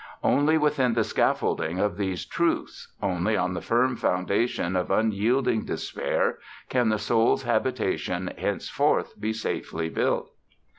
Only within the scaffolding of these truths, only on the firm foundation of unyielding despair, can the soul's habitation henceforth be safely built.